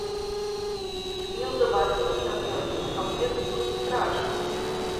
Неўзабаве пасля выяўлення аб'ект быў страчаны.